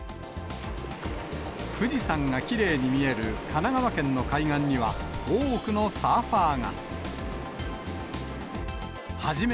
富士山がきれいに見える神奈川県の海岸には、多くのサーファーが。